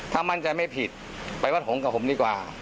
ถ้ามั่นใจไม่ผิดไปวัดหงษ์กับผมดีกว่า